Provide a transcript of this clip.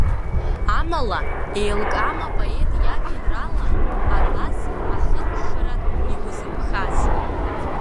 Амала, еилкаам апоет иажәеинраала абас ахыркәшара игәазырԥхаз.